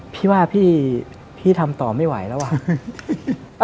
พี่ว่าพี่ทำต่อไม่ไหวแล้วว่ะ